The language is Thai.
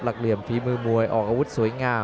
หลักเรียมภีมือมวยออกอาวุธสวยง่าย